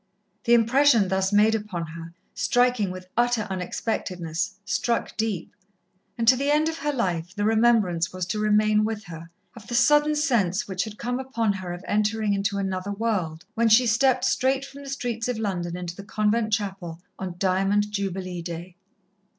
The impression thus made upon her, striking with utter unexpectedness, struck deep, and to the end of her life the remembrance was to remain with her, of the sudden sense which had come upon her of entering into another world, when she stepped straight from the streets of London into the convent chapel, on Diamond Jubilee Day.